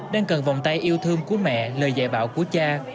đang cần vòng tay yêu thương của mẹ lời dạy bảo của cha